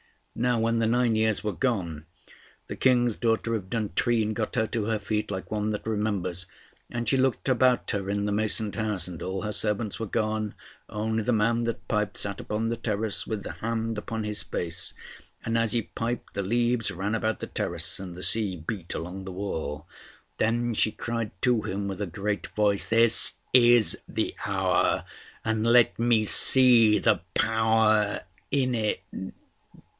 Now when the nine years were gone, the King's daughter of Duntrine got her to her feet, like one that remembers; and she looked about her in the masoned house; and all her servants were gone; only the man that piped sat upon the terrace with the hand upon his face; and as he piped the leaves ran about the terrace and the sea beat along the wall. Then she cried to him with a great voice, "This is the hour, and let me see the power in it".